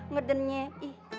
ngedennya ih kian